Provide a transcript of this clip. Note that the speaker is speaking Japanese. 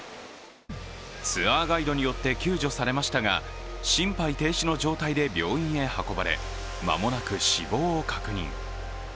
ツアーガイドによって救助されましたが、心肺停止の状態で病院へ運ばれ、まもなく死亡を確認。